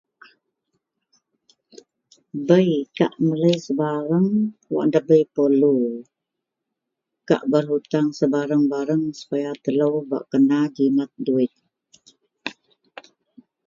Bei kak melei sebareng wak ndabei perelu, kak beruteang sebareng-bareng supaya telou bak kena jimet duwit